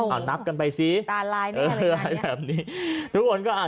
อ้าวนับกันไปสิต่างลายนี้อะไรแบบนี้เออแบบนี้ทุกคนก็อ่า